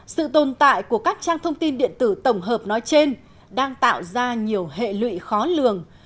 sự tồn tại của các trang thông tin điện tử tổng hợp nói trên đang tạo ra nhiều hệ lụy khó lường